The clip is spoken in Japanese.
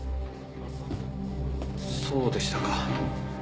そうでしたか。